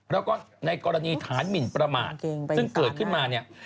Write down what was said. แล้วก็ในกรณีฐานหมินประมาทซึ่งเกิดขึ้นมาเนี่ย